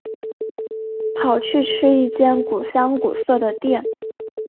跑去吃一间古色古香的店